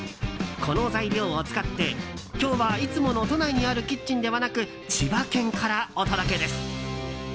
この材料を使って今日は、いつもの都内にあるキッチンではなく千葉県からお届けです。